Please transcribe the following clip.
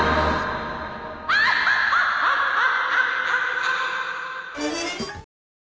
アハハハハハ！